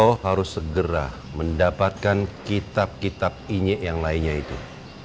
kita harus bisa mengalahkan kitab kitab inyek yang lainnya itu